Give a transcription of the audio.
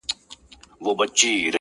سترگي مي ړندې سي رانه وركه سې.